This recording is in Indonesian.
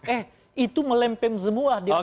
eh itu melempem semua